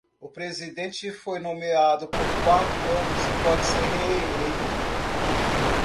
O presidente foi nomeado por quatro anos e pode ser reeleito.